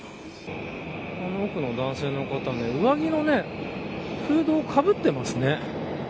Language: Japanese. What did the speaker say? あの奥の男性の方は上着のフードをかぶっていますね。